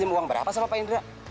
jangan pakai mie